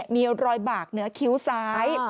มีรอยบากเหนือคิ้วซ้าย